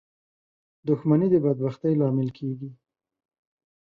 • دښمني د بدبختۍ لامل کېږي.